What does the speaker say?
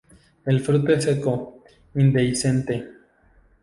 El fruto es seco, indehiscente.